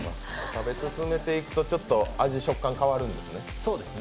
食べ進めていくとちょっと味、食感が変わるんですね。